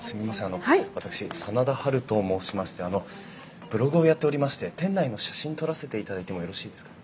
あの私真田ハルと申しましてあのブログをやっておりまして店内の写真撮らせていただいてもよろしいですか？